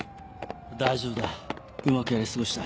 大丈夫だうまくやり過ごした。